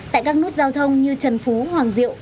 tại các nút giao thông như trần phú hoàng diệu